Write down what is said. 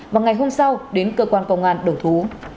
và ngày hôm sau đến cơ quan công an đầu thú